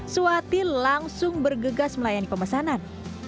suwati langsung bergegas melayani pemesanan